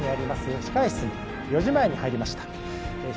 控え室に４時前に入りました。